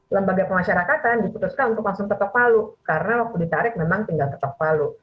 lembaga pemasyarakatan diputuskan untuk langsung ke atauk palu karena waktu ditarik memang tinggal ke atauk palu